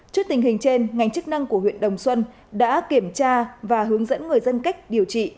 trước tình hình trên ngành chức năng của huyện đồng xuân đã kiểm tra và hướng dẫn người dân cách điều trị